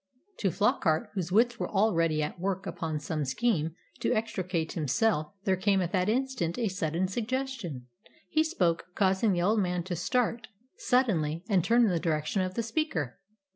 To Flockart, whose wits were already at work upon some scheme to extricate himself, there came at that instant a sudden suggestion. He spoke, causing the old man to start suddenly and turn in the direction of the speaker.